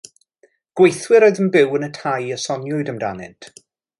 Gweithwyr oedd yn byw yn y tai y soniwyd amdanynt.